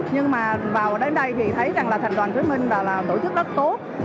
nhưng mà vào đến đây thì thấy rằng là thành phố hồ chí minh là tổ chức rất tốt